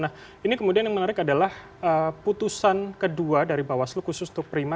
nah ini kemudian yang menarik adalah putusan kedua dari bawaslu khusus untuk prima